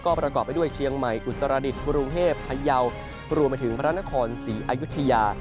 ประกอบไปด้วยเชียงใหม่อุตรดิษฐ์กรุงเทพพยาวรวมไปถึงพระนครศรีอายุทยา